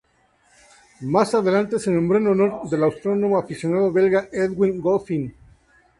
Más adelante se nombró en honor del astrónomo aficionado belga Edwin Goffin.